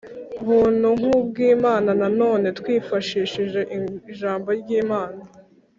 buntu nk’ubw’ imana.nanone twifashishije ijambo ry’ imana: